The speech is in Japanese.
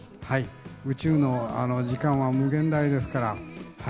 宇宙の時間は無限大ですから。